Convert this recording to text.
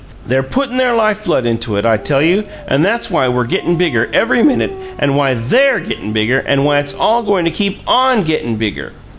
They're puttin' their life blood into it, I tell you, and that's why we're gettin' bigger every minute, and why THEY'RE gettin' bigger, and why it's all goin' to keep ON gettin' bigger!"